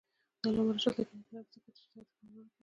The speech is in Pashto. د علامه رشاد لیکنی هنر مهم دی ځکه چې جزئیاتو ته پاملرنه کوي.